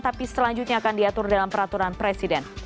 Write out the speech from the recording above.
tapi selanjutnya akan diatur dalam peraturan presiden